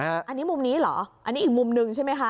อันนี้มุมนี้เหรออันนี้อีกมุมหนึ่งใช่ไหมคะ